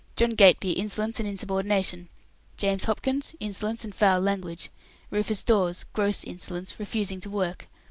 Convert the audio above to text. John Gateby, insolence and insubordination. James Hopkins, insolence and foul language. Rufus Dawes, gross insolence, refusing to work.